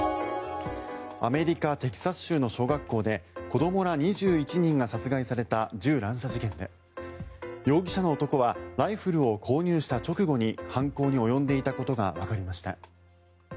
アメリカ・テキサス州の小学校で子どもら２１人が殺害された銃乱射事件で容疑者の男はライフルを購入した直後に犯行に及んでいたことがわかりました。